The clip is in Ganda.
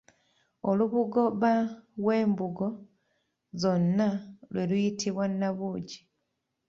Olubugo bba w'embugo zonna lwe luyitibwa nabugi